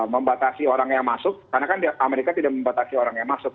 membatasi orang yang masuk karena kan amerika tidak membatasi orang yang masuk